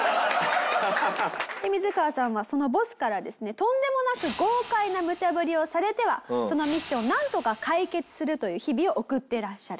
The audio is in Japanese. ミズカワさんはそのボスからですねとんでもなく豪快な無茶ぶりをされてはそのミッションをなんとか解決するという日々を送ってらっしゃる。